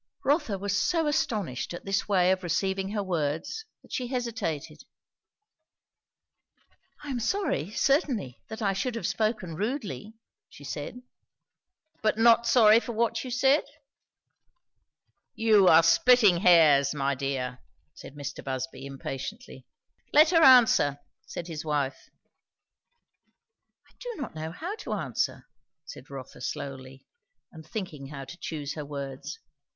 Rotha was so astonished at this way of receiving her words that she hesitated. "I am sorry, certainly, that I should have spoken rudely," she said. "But not sorry for what you said?" "You are splitting hairs, my dear!" said Mr. Busby impatiently. "Let her answer " said his wife. "I do not know how to answer," said Rotha slowly, and thinking how to choose her words.